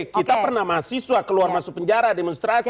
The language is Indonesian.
kita pernah mahasiswa keluar masuk penjara demonstrasi